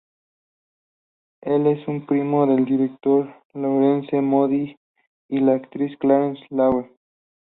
Él es un primo del director Laurence Moody y la actriz Clare Lawrence.